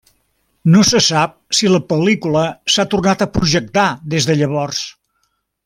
No se sap si la pel·lícula s'ha tornat a projectar des de llavors.